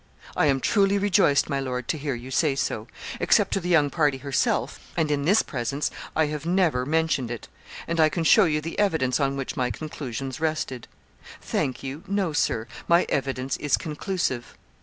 'I am truly rejoiced, my lord, to hear you say so. Except to the young party herself, and in this presence, I have never mentioned it; and I can show you the evidence on which my conclusions rested.' 'Thank you no Sir; my evidence is conclusive.'